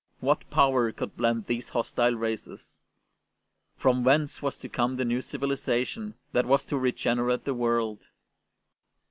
What power could blend these hostile races ? From whence was to come the new civilization that was to regenerate the world